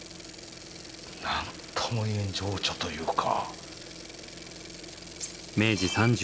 何とも言えん情緒というか。